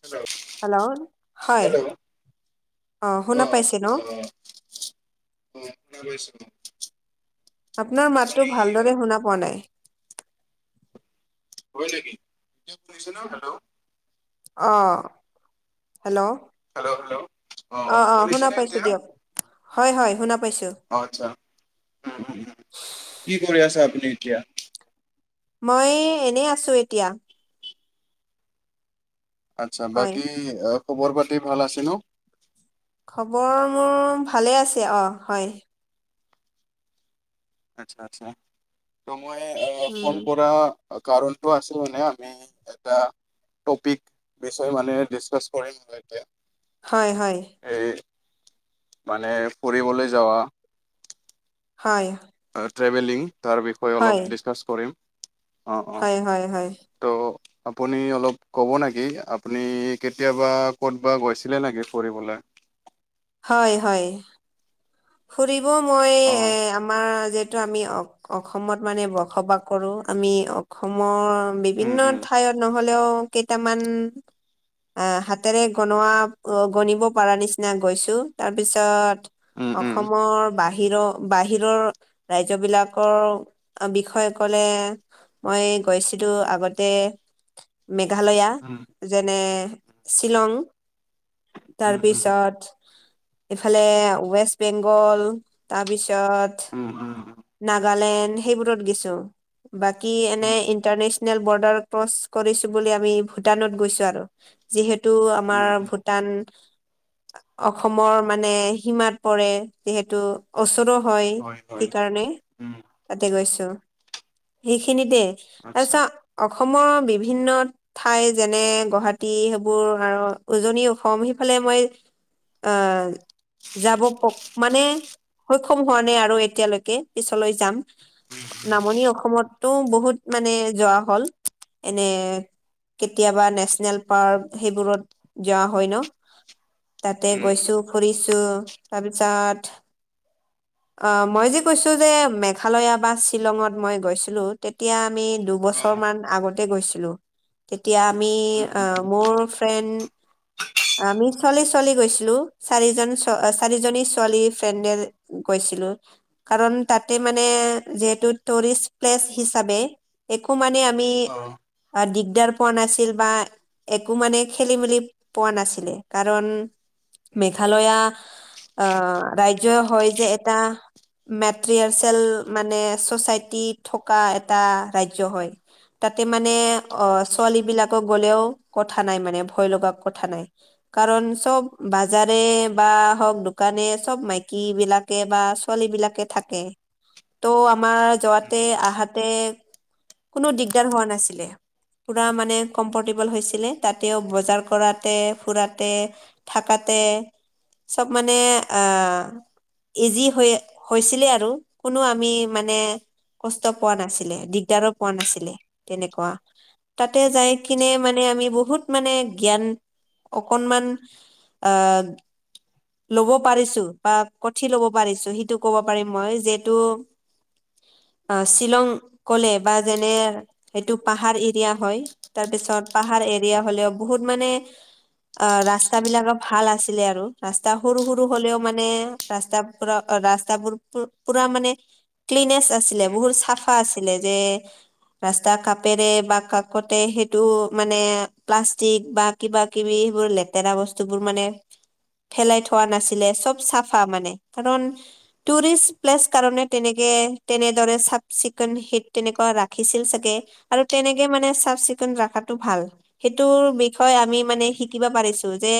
Hello. [unintelligible] Hello? হয়, hello অ' শুনা পাইছে ন? [unintelligible] আপোনাৰ মাততো আপুনি ভালদৰে শুনা পোৱা নাই? হৈছেকি? এতিয়া শুনিছে নে হেল্ল'? অ', হেল্ল' হেল্ল' হেল্ল' অ', অ' শুনা শুনিছেনে পাইছো এতিয়া দিয়ক। হয়, হয় শুনা পাইছো। অ' আচ্ছা। কি কৰি আছে আপুনি এতিয়া? মই এনেই আছো এতিয়া। আচ্ছা। হয় বাকী খবৰ পাতি ভাল আছে ন? খবৰ মোৰ ভালে আছে অ', হয়। আচ্ছা, আচ্ছা। ত' মই উম ফোন কৰা কাৰণটো আছিলো মানে আমি এটা ট্ৰপিক বিষয় মানে ডিচকাচ কৰিম আৰু এতিয়া। হয়, হয়। এই মানে ফুৰিবলৈ যোৱা। হয়। ট্ৰেভেলিং তাৰ বিষয়ে হয় অলপ ডিছকাছ কৰিম অঁ', অঁ'। হয় হয় হয় তো আপুনি অলপ ক'ব নেকি আপুনি কেতিয়াবা ক'তবা গৈছিলে নেকি ফুৰিবলৈ। হয় হয়, ফুৰিব মই অ', এ আমাৰ যে টো আমি অ অসমত মানে বসবাস কৰো, আমি অসমৰ উম, বিভিন্ন উম, ঠাইত নহলেও কেইটামান আহ হাতেৰে গনোৱা অ গনিব পাৰা নিচিনা গৈছো তাৰ পিছত উম, উম, অসমৰ বাহিৰ বাহিৰৰ ৰাজ্যবিলাকৰ অ বিষয়ে কলে মই গৈছিলো আগতে মেঘালয়া উম, যেনে শ্বিলং। উম, উম, তাৰপিছত ইফালে ৱেষ্ট বেংগল। তাৰপিছত উম, উম, নাগালেণ্ড সেইবোৰত গেছো। বাকী এনে উম, ইণ্টাৰনেচনেল বৰ্ডাৰ ক্ৰচ কৰিছো বুলি আমি ভূটানত গৈছো আৰু। যিহেতু আমাৰ উম, উম, ভূটান অসমৰ মানে সীমাত পৰে যিহেতু ওচৰ হয় সেইকাৰণে। উম, তাতে গৈছো সেইখিনিতে আচ্ছা, তাৰপিছত অসমৰ বিভিন্ন ঠাই যেনে গুৱাহাটী সেইবোৰ আৰু উজনি অসম সেইফালে মই আ, যাব প- মানে সক্ষম হোৱা নাই আৰু এতিয়ালৈকে পিছলৈ যাম। উম, নামনি অসমতো বহুত মানে যোৱা হল এনে কেতিয়াবা নেশনেল পাৰ্ক সেইবোৰত যোৱা হয় ন। তাতে উম, উম, গৈছোঁ, ফুৰিছোঁ তাৰপিছত [inaudible] অ', মই যে কৈছো যে মেঘালয়া বা শ্বিলঙত মই গৈছিলো তেতিয়া আমি দু বছৰ অ', মান আগতে গৈছিলো। তেতিয়া আমি উম, আ উম, মোৰ ফ্ৰেণ্ড আমি ছোৱালী ছোৱালী গৈছিলো। চাৰিজন চ চাৰিজনী ছোৱালী ফ্ৰেণ্ডে গৈছিলো। কাৰণ তাতে মানে যিহেতু টুৰিষ্ট প্লেচ হিচাপে একো মানে আমি অ', আ দিগদাৰ পোৱা নাছিল বা একো মানে খেলি মেলি পোৱা নাছিলে কাৰণ মেঘালয়া আহ ৰাজ্যই হয় যে এটা মেট্ৰিয়াৰ্চেল মানে ছচাইটি থকা এটা ৰাজ্য হয়। তাতে মানে অ, ছোৱালীবিলাকক গ'লেও কথা নাই মানে ভয় লগা কথা নাই। কাৰণ চব বাজাৰে বা হওক দু কানিয়ে চব মাইকীবিলাকে বা ছোৱালীবিলাকে থাকে। ত', আমাৰ উম, যোৱাতে আহাতে কোনো দিগদাৰ হোৱা নাছিলে। পূৰা মানে কমফৰ্টেবল হৈছিলে। তাতেও বজাৰ কৰাতে ফুৰাতে থাকাতে চব মানে আহ ইজি হৈ হৈছিলে আৰু কোনো আমি মানে কষ্ট পোৱা নাছিলে, দিগদাৰো পোৱা নাছিলে তেনেকুৱা তাতে যায় আচ্ছা, খিনিয়ে আচ্ছা, মানে আমি বহুত মানে জ্ঞান অকনমান আহ ল'ব পাৰিছো বা কঠি ল'ব পাৰিছো সেইটো ক'ব পাৰিম মই যিহেতু আ, শ্বিলং কলে বা যেনে সেইটো পাহাৰ এৰিয়া হয় তাৰপিছত পাহাৰ এৰিয়া অ', হলেও বহুত মানে আ', ৰাস্তাবিলাকো ভাল আছিলে আৰু ৰাস তা সৰু সৰু হলেও মানে ৰাস্তা পুৰা অ ৰাস্তাবোৰ পু পুৰা মানে ক্লিনেছ আছিলে বহুত চাফা আছিলে যে ৰাস্তা কাপেৰে বা কাকতে সেইটো মানে প্লাষ্টিক বা কিবা কিবি সেইবোৰ লেতেৰা বস্তুবোৰ মানে পেলাই থোৱা নাছিলে চব চাফা মানে কাৰণ টুৰিষ্ট প্লেচ কাৰণে তেনেকৈ তেনেদৰে চাফ চিকুণ হিট তেনেকুৱা ৰাখিছিল চাগে। আৰু তেনেকে মানে চাফ চিকুণ ৰখাটো ভাল সেইটো বিষয় আমি উম, মানে শিকিব পাৰিছো যে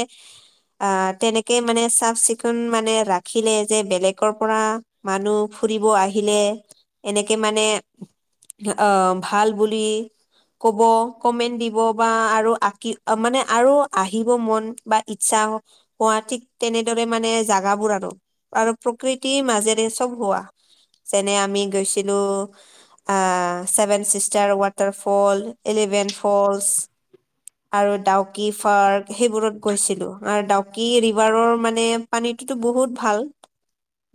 আহ তেনে কে মানে চাফ চিকুণ মানে ৰাখিলে যে বেলেগৰ পৰা মানুহ ফুৰিব আহিলে এনেকে মানে অ', ভাল বুলি কব কমেণ্ট দিব বা আৰু আঁকি মানে আৰু আহিব মন বা ইচ্ছাও হোৱা ঠিক তেনেদৰে মানে জাগাবোৰ আৰু আৰু প্ৰকৃতিৰ মাজেৰে চব হোৱা যেনে আমি গৈছিলো। আ seven sister water fall eleven falls. আৰু ডাউকি ফাৰ্ক সেইবোৰত গৈছিলো আৰু ডাউকি ৰি ভাৰৰ মানে পানীটোতো বহুত ভাল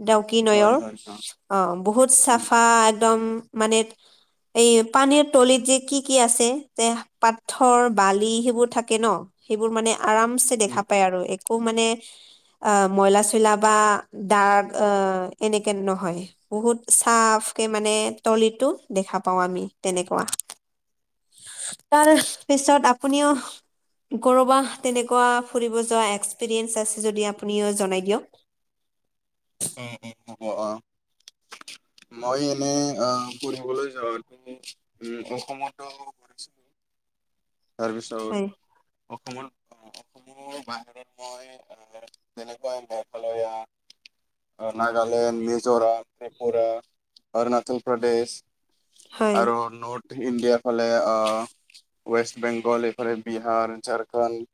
ডাউকি হয়, নৈৰ হয়, অ বহুত উম, চাফা একদম মানে এই পানীৰ তলিত যে কি কি আছে, যে পাথৰ বালি সেইবোৰ থাকে ন সেইবোৰ মানে আৰামছে উম, দেখা পায় আৰু একো মানে আ মইলা চইলা বা দাগ আ এনেকে নহয়। বহুত চাফকে মানে তলিটো দেখা পাও আমি তেনেকুৱা। তাৰপিছত আপুনিও কৰবাত তেনেকুৱা ফুৰিব যোৱা এক্সপেৰেইঞ্চ আছে যদি আপুনিও জনায় দিয়ক। অ অ কি কব আ মই এনে অ ফুৰিবলৈ যাওঁটো উম অসমতো কৰিছিলোঁ। হয় তাৰপিছত অসমত অসমৰ বাহিৰত মই তেনেকুৱা মেঘালয়া নাগালেণ্ড মিজোৰাম ত্ৰিপুৰা অৰুণাচল প্ৰদেশ হয় আৰু নৰ্থ ইণ্ডিয়াৰ ফালে আ ৱেষ্ট বেংগল এইফালে বিহাৰ ঝাৰখণ্ড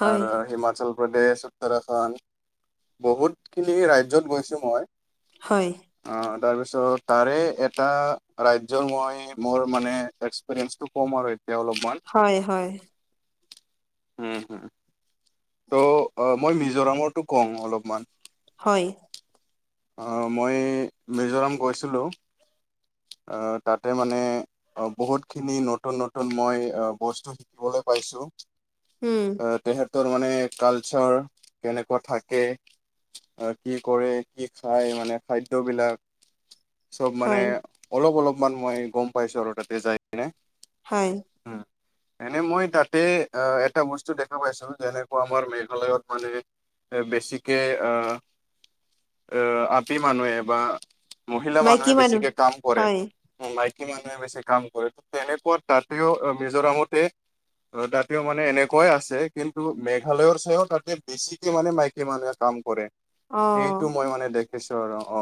হয় আৰু হিমাচল প্ৰদেশ উত্তৰাখণ্ড বহুতখিনি ৰাজ্যত গৈছো মই। হয়। অঁ তাৰপিছত তাৰে এটা ৰাজ্যয়ৰ মই মোৰ মানে এক্সপেৰিয়েন্সটো কম আৰু এতিয়া অলপ হয় হয়। উম হুম। ত' মই মিজোৰামৰতো কওঁ অলপমান। হয় অ মই মিজোৰাম গৈছিলো আহ তাতে মানে আ বহুতখিনি নতুন নতুন মই বস্তু শিকিবলৈ পাইছো উম আহ তেহেঁতৰ মানে কালচাৰ কেনেকুৱা থাকে। আহ কি কৰে কি খায় মানে খাদ্যবলাক চব মানে হয় অলপ অলপমান মই গম পাইছো আৰু তাতে যাই কিনে। হয়। উম, এনে মই তাতে অ, এটা বস্তু দেখা পাইছোঁ। যেনেকুৱা মানে এ বেছিকে আহ আহ, আপি মানুহে বা মহিলা মাইকী মানুহে মানুহ বেছিকে কাম কৰে। হয় মাইকী মানুহে বেছি কাম কৰে তেনেকুৱা তাতেও মিজোৰামতে তাতে মানে এনেকুৱাই আছে। কিন্তু মেঘালয়ৰ চাইও বেছিকে মানে মাইকী মানুহে কাম কৰে। অ এইটো মই মানে দেখিছোঁ আৰু, অ।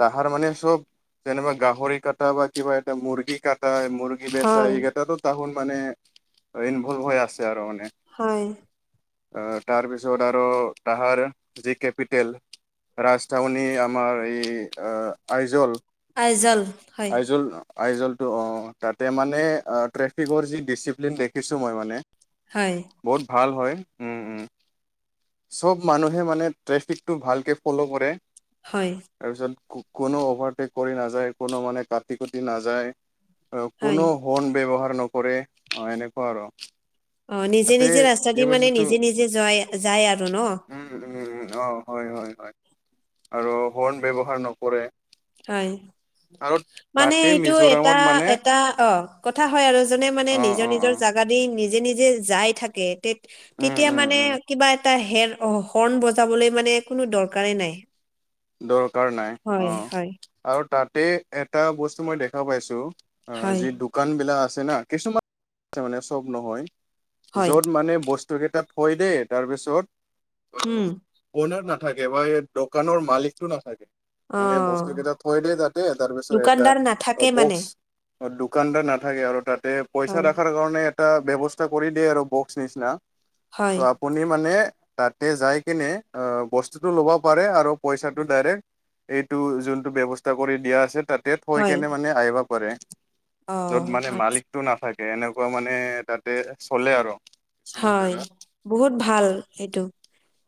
তাহাৰ মানে চব, যেনেকা গাহৰি কটা বা কিবা এটা মুৰ্গী কটা, মুৰ্গী বেচা হয় এইকেইটাতো তাহোন মানে ইনভলভ হৈ আছে আৰু মানে। হয়। তাৰপিছত আৰু তাহাৰ যি কেপিটেল। ৰাজধউনী আমাৰ এই আ, আইজল- আইজল। আইজলটো অ, তাতে মানে ট্ৰেফিকৰ যি ডিচিপ্লিন দেখিছোঁ মই মানে হয়। বহুত ভাল হয়, উম- উম। চব মানুহে মানে ট্ৰেফিকটো ভালকে ফ'ল' কৰে। হয়। তাৰপিছত কোনো অভাৰটেক কৰি নাযায়, মানে কুটি নাযায়। অ, হয় কোনো হৰ্ণ ব্যৱহাৰ নকৰে অ, এনেকুৱা আৰু। অ, নিজে তাতে নিজে ৰাস্তা এই দি মানে বস্তুটো নিজে নিজে যাই যায় আৰু ন। উম, অ, হয়- হয়- হয়, আৰু হৰ্ণ ব্যৱহাৰ নকৰে। হয়। আৰু মানে তাতে এইটো মিজোৰামত এটা- মানে এটা অ, কথা হয় আৰু, যোনে মানে অ নিজৰ- অ অ নিজৰ জাগা দি নিজে নিজে যাই থাকে। তে- উম তেতিয়া উম মানে উম কিবা এটা হেৰ অ, হৰ্ণ বজাবলৈ মানে কোনো দৰকাৰেই নাই। দৰকাৰ নাই অ, হয় হয় আৰু তাতে এটা বস্তু মই দেখা পাইছোঁ। অ, হয় যি দোকান বিলাক আছে না, কিছুমান আছে মানে চব নহয়। হয় য'ত মানে বস্তু কেইটা থৈ দে তাৰপিছত উম। অনাৰ নাথাকে বা এই দোকানৰ মালিকটো নাথাকে। অ মানে বস্তু কেইটা থৈ দিয়া তাতে, তাৰ পিছত এটা দোকানদাৰ নাথাকে মানে বক্স অ, দোকানদাৰ নাথাকে আৰু তাতে পইচা হয় ৰখাৰ কাৰণে এটা ব্যৱস্থা কৰি দিয়ে আৰু বক্স নিচিনা। হয় আপুনি মানে তাতে যাই কেনে বস্তুটো ল'ব পাৰে আৰু পইচাটো ডাইৰেক্ট এইটো যোনটো ব্যৱস্থা কৰি দিয়া আছে তাত টেট পঢ়ি কেনে হয় কিনে মানে আহিব পাৰে। য'ত অ' মানে আচ্ছা মালিক টো নাথাকে, এনেকুৱা মানে তাতে চলে আৰু। কিছুমান হয়, জেগাত বহুত ভাল এইটো।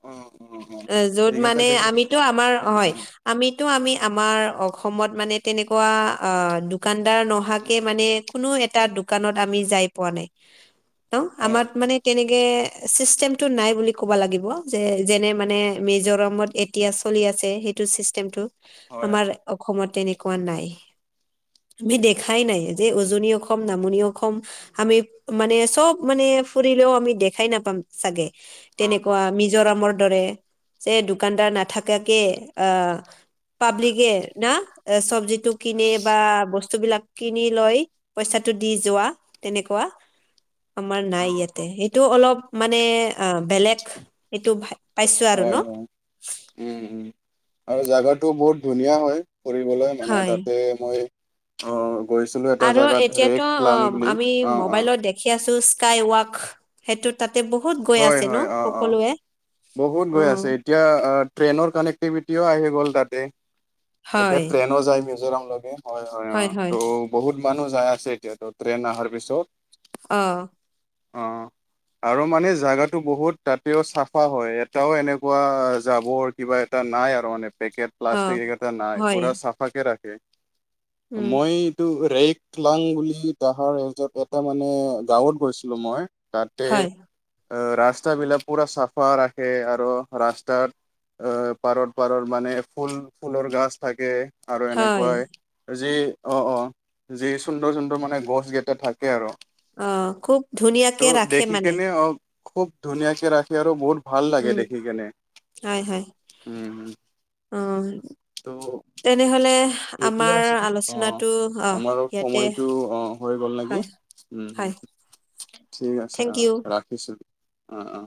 অ অ অ, য'ত এইকেইটা মানে দেখি কেনে আমিতো আমাৰ অ অ হয়। উম আমিতো আমি আমাৰ অসমত মানে তেনেকুৱা অ, দু দোকানদাৰ উম, নোহোৱাকে মানে কোনো এটা দোকানত আমি যাই পোৱা নাই। ত ' আমাৰ হয় মানে তেনেকে চিষ্টেমটো নাই বুলি ক'ব লাগিব, যে যেনে মানে মিজোৰামত এতিয়া চলি আছে, সেইটো চিষ্টেমটো হয় হয়, হয়। আমাৰ অসমত তেনেকুৱা নাই। আমি দেখাই নাই, যে উজনি অসম নামনি অসম আমি মানে চ'ব মানে ফুৰিলেও আমি দেখাই নাপাম চাগে! অ অ তেনেকুৱা মিজোৰামৰ দৰে। যে দোকানদাৰ নাথাকাকে আহ, হয় পাব্লিকে না? এ চব্জিটো কিনে উম, বা উম, বস্তু বিলাক কিনি লৈ পইচাটো দি যোৱা তেনেকুৱা। আমাৰ অ নাই অ', ইয়াতে, এইটো অলপ মানে অ বেলেগ এইটো পাইছো আৰু ন হয়, হয়, উম, উম, আৰু জাগাটো বহুত ধুনীয়া হয় ফুৰিবলৈ। মানে হয় তাতে মই অ', গৈছো। আৰু এতিয়াতো অ', আমি অ অ মোবাইলত দেখি আছো স্কাই ৱাক। সেইটো তাতে বহুত গৈ হয় আছে হয় ন' অ অ সকলোৱে বহুত গৈ অ'। আছে এতিয়া ট্ৰেইনৰ কানেক্টিভিটিও আহি গ'ল তাতে। এতিয়া হয় ট্ৰেইনো যায় মিজোৰামলৈকে হয়, হয়, অ', ত' বহুত মানুহ যাই আছে এতিয়াতো ট্ৰেইন অহাৰ পিছত। অ'। অ', আৰু মানে জোগাটো বহুত তাতেও চাফা হয়, এটাও এনেকুৱা জাবৰ কিবা এটা নাই আৰু মানে পেকেট। অ প্লাষ্টিক এই কেইটা নাই হয় পুৰা চাফা কে ৰাখে, উম মইটো ৰেক লাং বুলি তাহৰ [unintelligible] এটা গাৱঁত গৈছিলো মই, তাতে হয় আহ, ৰাস্তা বিলাক পুৰা চাফা ৰাখে আৰু ৰাস্তাত আহ, পাৰত পাৰত মানে ফুল ফুলৰ গাছ থাকে আৰু হয় এনেকুৱাই। যি অ', অ', যি সুন্দৰ সুন্দৰ মানে গছ কেটা থাকে আৰু। অ', খুব ধুনীয়াকে ত' ৰাখে দেখি মানে? কেনে অ খুব ধুনীয়াকে ৰাখে আৰু বহুত ভাল লাগে উম দেখি কেনে, উম। উম। ত' এইটোৱে আছিলে অ', আলোচনাটো অ আমাৰ ইয়াতে সময়টো অ', হৈ গ'ল হয় নেকি? উম, হম, হয় ঠিক আছে থেংক অ', ইউ ৰাখিছো। অ', অ'।